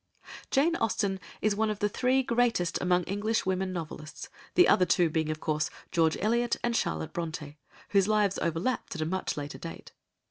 Jane Austen is one of the three greatest among English women novelists; the other two being, of course, George Eliot and Charlotte Brontë, whose lives overlapped at a much later date.